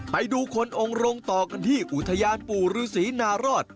ไปดูคนองค์รงต่อกันที่อุทยานปู่ฤษีนารอด